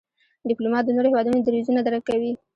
ډيپلومات د نورو هېوادونو دریځونه درک کوي.